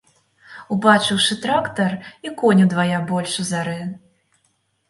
Убачыўшы трактар, і конь удвая больш узарэ.